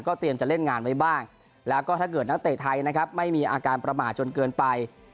เตรียมจะเล่นงานไว้บ้างแล้วก็ถ้าเกิดนักเตะไทยนะครับไม่มีอาการประมาทจนเกินไป